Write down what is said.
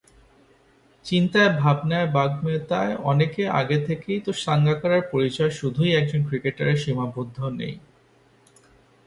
চিন্তায়-ভাবনায়-বাগ্মিতায় অনেক আগে থেকেই তো সাঙ্গাকারার পরিচয় শুধুই একজন ক্রিকেটারে সীমাবদ্ধ নেই।